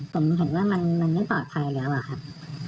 ผมเห็นว่ามันไม่ปลอดภัยแล้วอะครับ